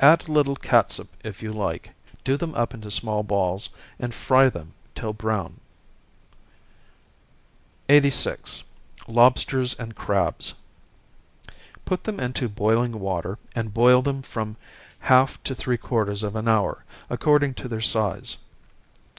Add a little catsup if you like do them up into small balls, and fry them till brown. 86. Lobsters and Crabs. Put them into boiling water, and boil them from half to three quarters of an hour, according to their size.